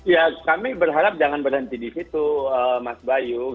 ya kami berharap jangan berhenti di situ mas bayu